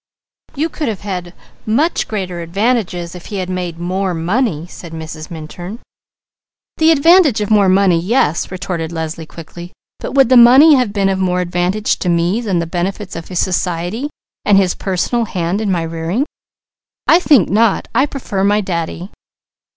"You could have had much greater advantages if he had made more money," said Mrs. Minturn. "The advantage of more money yes," retorted Leslie quickly, "but would the money have been of more advantage to me than the benefits of his society and his personal hand in my rearing? I think not! I prefer my Daddy!"